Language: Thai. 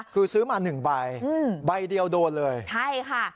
คือซื้อมาหนึ่งใบใบเดียวโดนเลยใช่ค่ะ